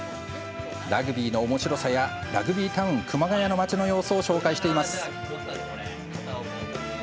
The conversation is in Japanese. ラグビーのおもしろさやラグビータウン熊谷の町の様子を紹介しています。